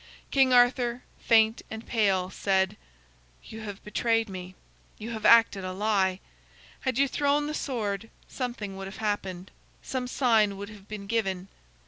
King Arthur, faint and pale, said: "You have betrayed me. You have acted a lie. Had you thrown the sword, something would have happened, some sign would have been given.